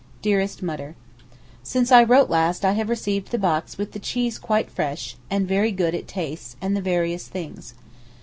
DEAREST MUTTER, Since I wrote last I have received the box with the cheese quite fresh (and very good it tastes), and the various things.